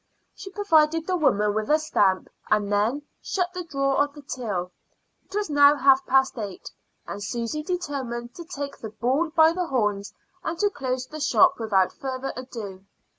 She provided the woman with a stamp, and then, shut the drawer of the till. It was now half past eight, and Susy determined to take the bull by the horns and to close the shop without further ado.